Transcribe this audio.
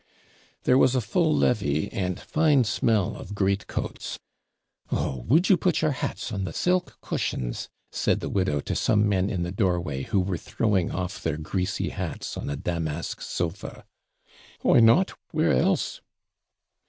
There was a full levee, and fine smell of greatcoats. 'Oh! would you put your hats on the silk cushions?' said the widow to some men in the doorway, who were throwing off their greasy hats on a damask sofa. 'Why not? where else?'